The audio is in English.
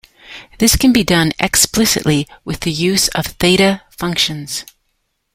This can be done explicitly with the use of theta functions.